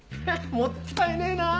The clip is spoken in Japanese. もったいねえなぁ！